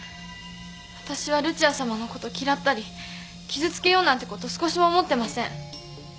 わたしはルチアさまのこと嫌ったり傷つけようなんてこと少しも思ってません。